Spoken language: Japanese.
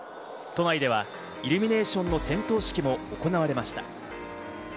都内ではイルミネーションの点灯式も行われました。